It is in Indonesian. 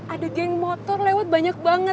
ada geng motor lewat banyak banget